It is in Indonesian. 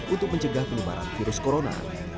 untuk mencegah penyebaran virus corona